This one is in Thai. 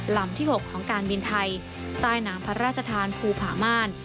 ลำที่๖ของการบินไทยใต้น้ำพระราชทานภูผาม่าน